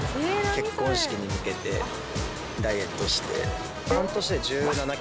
結婚式に向けてダイエットして。